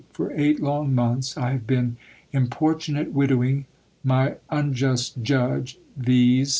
For eight long months I have been 'importunate widowing' my 'unjust judge,' viz.